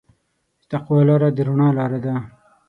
د تقوی لاره د رڼا لاره ده.